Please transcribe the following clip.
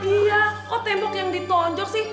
iya kok tembok yang ditonjok sih